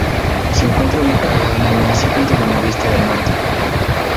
Se encuentra ubicada en el municipio de Buenavista del Norte.